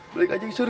balik aja sur